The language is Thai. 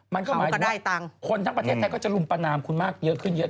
มันก็หมายถึงว่าคนทั้งประเทศไทยก็จะลุมประนามคุณมากเยอะขึ้นเยอะ